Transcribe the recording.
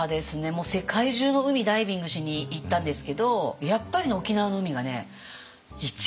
もう世界中の海ダイビングしに行ったんですけどやっぱり沖縄の海がね一番好き。